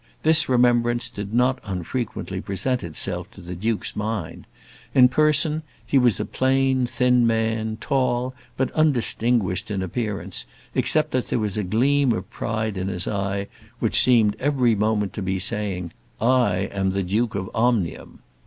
This remembrance did not unfrequently present itself to the duke's mind. In person, he was a plain, thin man, tall, but undistinguished in appearance, except that there was a gleam of pride in his eye which seemed every moment to be saying, "I am the Duke of Omnium."